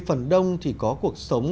phần đông thì có cuộc sống